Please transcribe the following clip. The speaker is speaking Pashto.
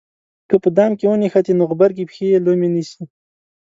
که په دام کې ونښتې نو غبرګې پښې یې لومې نیسي.